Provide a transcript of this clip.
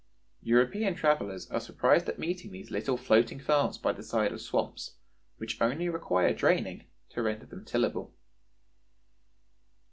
European travelers are surprised at meeting these little floating farms by the side of swamps which only require draining to render them tillable."